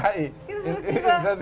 wah kita sudah tiba